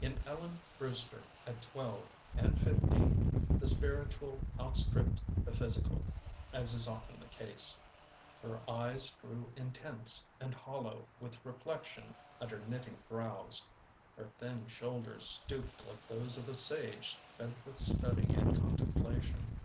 In Ellen Brewster at twelve and fifteen the spiritual outstripped the physical, as is often the case. Her eyes grew intense and hollow with reflection under knitting brows, her thin shoulders stooped like those of a sage bent with study and contemplation.